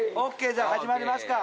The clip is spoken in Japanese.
じゃあ始まりますか！